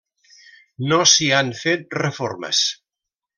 No s'hi han fet reformes.